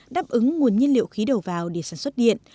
đáp ứng nguồn nhiên liệu khí đầu vào để sản xuất điện